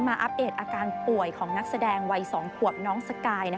อัปเดตอาการป่วยของนักแสดงวัย๒ขวบน้องสกาย